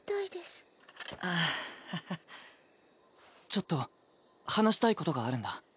ちょっと話したいことがあるんだ。